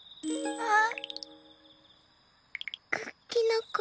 あっ。